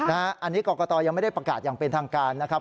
อันนี้กรกตยังไม่ได้ประกาศอย่างเป็นทางการนะครับ